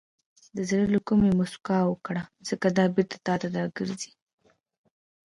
• د زړه له کومې موسکا وکړه، ځکه دا بېرته تا ته راګرځي.